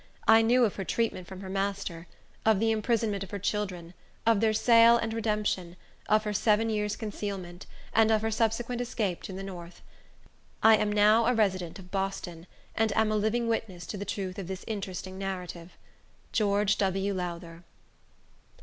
I knew of her treatment from her master; of the imprisonment of her children; of their sale and redemption; of her seven years' concealment; and of her subsequent escape to the North. I am now a resident of Boston, and am a living witness to the truth of this interesting narrative. George W. Lowther.